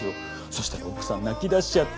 そしたら奥さん泣き出しちゃって。